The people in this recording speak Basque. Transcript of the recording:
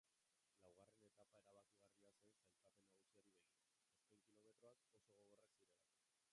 Laugarren etapa erabakigarria zen sailkapen nagusiari begira, azken kilometroak oso gogorrak zirelako.